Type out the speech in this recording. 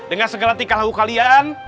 dengan segala tikah lagu kalian